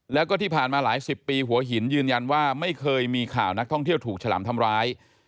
แล้วก็ที่ผ่านมาหลายสิบปีหัวหินยืนยันว่าไม่เคยมีข่าวนักท่องเที่ยวถูกฉลามทำร้าย